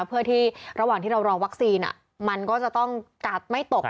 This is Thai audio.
เพื่อที่ระหว่างที่เรารอวัคซีนมันก็จะต้องกัดไม่ตก